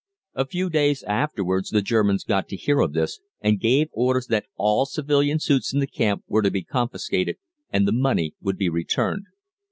A few days afterwards the Germans got to hear of this, and gave orders that all civilian suits in the camp were to be confiscated and the money would be returned.